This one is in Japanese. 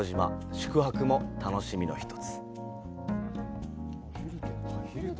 宿泊も楽しみの１つ。